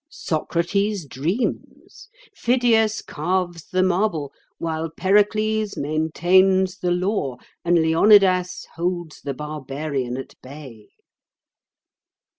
Socrates dreams, Phidias carves the marble, while Pericles maintains the law and Leonidas holds the Barbarian at bay.